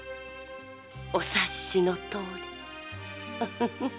お察しのとおり。